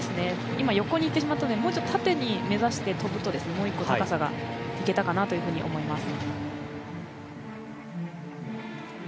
今横にいってしまったので、もうちょっと縦に目指して飛ぶともう一個、高さがいけたかなというふうに思います。